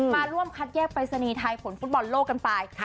มาร่วมคัดแยกปรายศนีย์ไทยผลฟุตบอลโลกกันไป